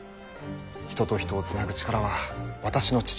人と人を繋ぐ力は私の父。